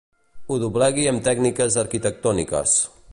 Ho doblegui amb tècniques arquitectòniques.